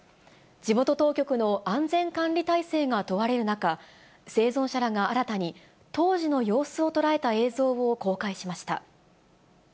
地元当局の安全管理態勢が問われる中、生存者らが新たに、当時の様子を捉えた映像を公開しました。